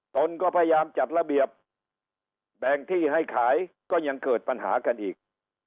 ตนก็พยายามจัดระเบียบแบ่งที่ให้ขายก็ยังเกิดปัญหากันอีก